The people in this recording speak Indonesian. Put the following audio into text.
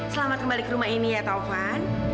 selamat kembali ke rumah ini ya taufan